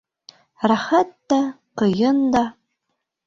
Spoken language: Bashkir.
Рәхәт тә, ҡыйын да.